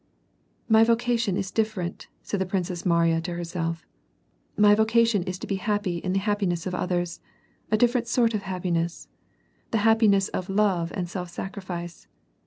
" My vocation is different," said the Princess Mariya to her self, " my vocation is to be happy in the happiness of others ; a different sort of happiness, the happiness of love and self sacrifice.